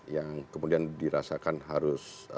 yang kemudian dirasakan harus